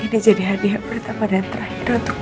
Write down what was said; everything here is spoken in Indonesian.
ini jadi hadiah pertama dan terakhir untuk